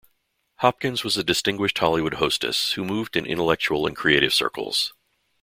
Hopkins was a distinguished Hollywood hostess, who moved in intellectual and creative circles.